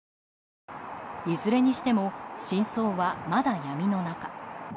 いずれにしても真相はまだ闇の中。